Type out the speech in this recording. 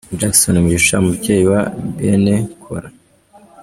Jackson Mugisha umubyeyi wa Bene Kora.